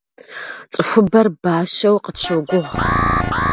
Цӏыхубэр бащэу къытщогугъ.